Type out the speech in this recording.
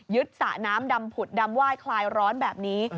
สระน้ำดำผุดดำไหว้คลายร้อนแบบนี้